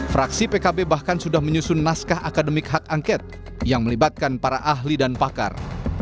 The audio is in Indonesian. fraksi pkb bahkan sudah menyusun naskah akademik hak angket yang melibatkan para ahli dan pakar